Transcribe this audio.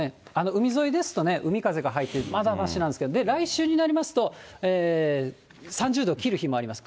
海沿いですとね、海風が入ってまだましなんですけど、来週になりますと、３０度を切る日もあります。